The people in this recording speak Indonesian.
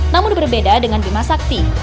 namun berbeda dengan bima sakti